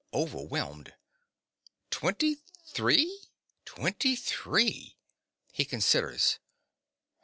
(overwhelmed). Twenty three! Twenty three!! (_He considers.